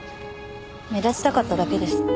目立ちたかっただけです。